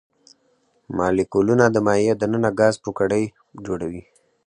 مالیکولونه د مایع د ننه ګاز پوکڼۍ جوړوي.